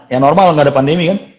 yang normal ga ada pandemi kan